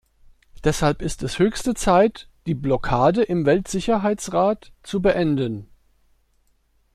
Deshalb ist es höchste Zeit, die Blockade im Weltsicherheitsrat zu beenden.